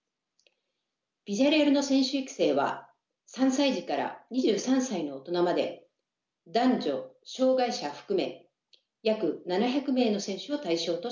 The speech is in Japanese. ビジャレアルの選手育成は３歳児から２３歳の大人まで男女障がい者含め約７００名の選手を対象としています。